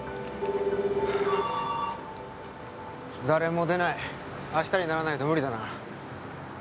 誰も出ない明日にならないと無理だな